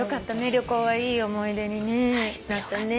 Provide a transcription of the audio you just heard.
旅行はいい思い出にねなったね。